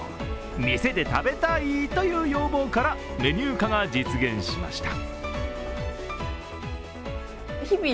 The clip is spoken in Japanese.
店で食べたいという要望から、メニュー化が実現しました。